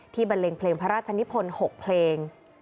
บันเลงเพลงพระราชนิพล๖เพลง